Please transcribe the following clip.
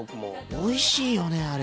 おいしいよねあれ。